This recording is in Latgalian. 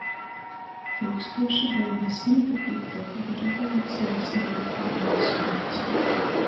Tyukstūša deveni symti pīktuo goda revolucejis naapturamais spāks.